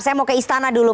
saya mau ke istana dulu